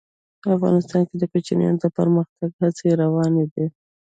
افغانستان کې د کوچیانو د پرمختګ هڅې روانې دي.